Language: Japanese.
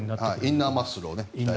インナーマッスル。